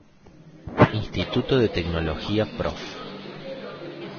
Instituto de Tecnología Prof.